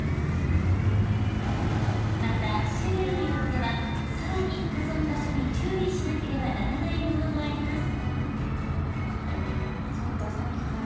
また、種類によってはさらに保存場所に注意しなければならないものもあります。